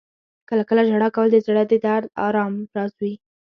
• کله کله ژړا کول د زړه د آرام راز وي.